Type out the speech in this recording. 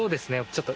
ちょっと。